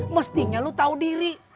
mestinya lu tau diri